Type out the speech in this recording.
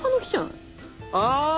あ！